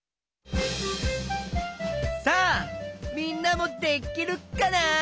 さあみんなもできるかな？